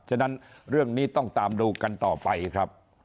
ฉะนั้นเรื่องนี้ต้องตามดูกันต่อไปครับ